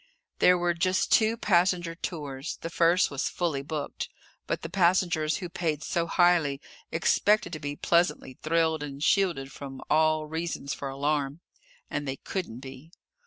There were just two passenger tours. The first was fully booked. But the passengers who paid so highly, expected to be pleasantly thrilled and shielded from all reasons for alarm. And they couldn't be.